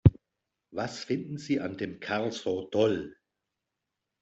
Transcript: Was findet sie an dem Kerl so toll?